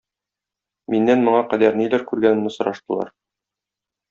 Миннән моңа кадәр ниләр күргәнемне сораштылар.